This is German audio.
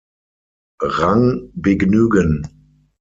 Rang begnügen.